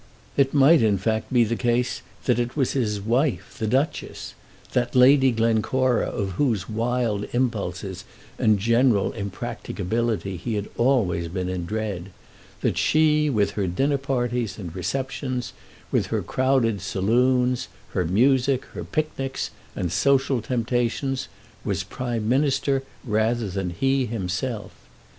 It might, in fact, be the case that it was his wife the Duchess, that Lady Glencora of whose wild impulses and general impracticability he had always been in dread, that she with her dinner parties and receptions, with her crowded saloons, her music, her picnics, and social temptations, was Prime Minister rather than he himself.